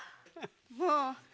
もう。